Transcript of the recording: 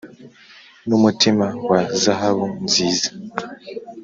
n'umutima wa zahabu nziza!